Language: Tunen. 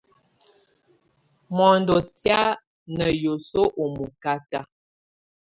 Mɔndɔ tɛ̀á ná hiɔsɔ u mɔkata.